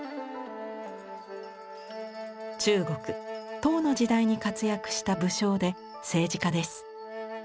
中国唐の時代に活躍した武将で政治家です。